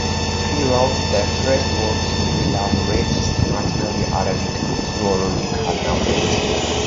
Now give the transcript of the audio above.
He wrote the first work to elaborate systematically Arabic zoological knowledge.